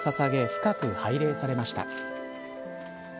深く拝礼されました。